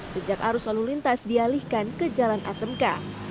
sejak arus lalu lintas dialihkan ke jalan asmk